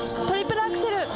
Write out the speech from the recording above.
トリプルアクセル！